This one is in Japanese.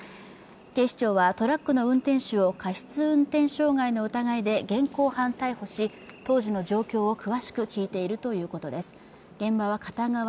警視庁はトラックの運転手を過失運転傷害の疑いで当時の状況を詳しく聞いているということです。